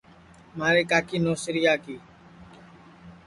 مہاری کاکی نوسریا کی